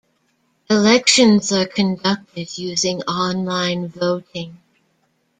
Elections are conducted using online voting.